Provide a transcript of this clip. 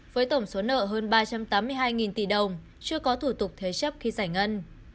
với tổng số nợ hơn ba trăm tám mươi hai tỷ đồng chưa có thủ tục thế chấp khi giải ngân